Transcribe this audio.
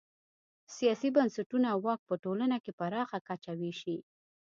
سیاسي بنسټونه واک په ټولنه کې پراخه کچه وېشي.